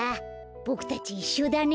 ボクたちいっしょだね。